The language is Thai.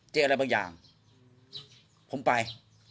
อะไรบางอย่างผมไป